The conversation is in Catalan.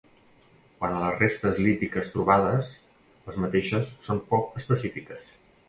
Quant a les restes lítiques trobades, les mateixes són poc específiques.